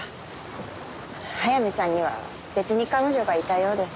早見さんには別に彼女がいたようです。